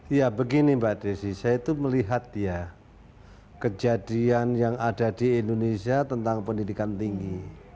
ya begini mbak desi saya itu melihat ya kejadian yang ada di indonesia tentang pendidikan tinggi